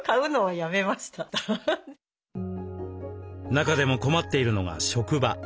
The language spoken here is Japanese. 中でも困っているのが職場。